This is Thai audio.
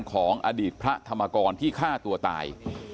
ของอดีตพระธรรมกรที่ฆ่าตัวตาย